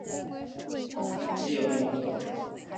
叶梦得。